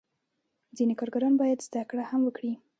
ځینې کارګران باید زده کړه هم وکړي.